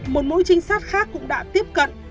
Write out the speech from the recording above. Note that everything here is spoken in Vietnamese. một mũi trinh sát khác cũng đã tiếp cận